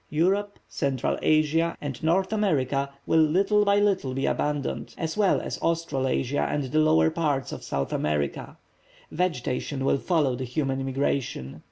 Europe, Central Asia, and North America will little by little be abandoned, as well as Australasia and the lower parts of South America. Vegetation will follow the human emigration.